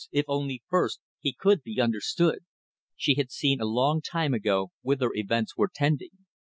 if only first he could be understood! She had seen a long time ago whither events were tending.